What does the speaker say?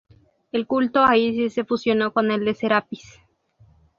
El culto a Isis se fusionó con el de Serapis.